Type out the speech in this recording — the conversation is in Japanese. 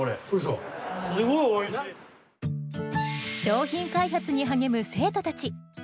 商品開発に励む生徒たち。